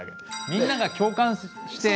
みんなが共感して。